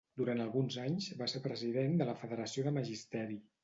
Durant alguns anys, va ser president de la Federació de Magisteri.